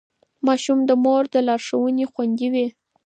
ماشوم د مور له لارښوونې خوندي وي.